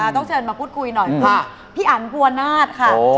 ต้องเชิญมาพูดคุยหน่อยค่ะพี่อันบัวนาศค่ะ